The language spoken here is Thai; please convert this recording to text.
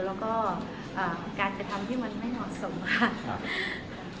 แล้วก็การกระทำที่มันไม่เหมาะสมค่ะ